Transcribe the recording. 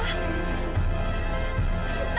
tapi apa kak